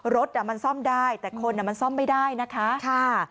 รถมันซ่อมได้แต่คนมันซ่อมไม่ได้นะคะ